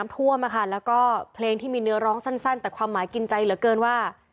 ท่วมแล้วก็เพลงที่มีเนื้อร้องสั้นแต่ความหมายกินใจเหลือเกินว่า